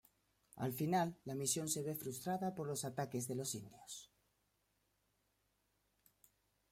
Al final, la misión se ve frustrada por los ataques de los indios.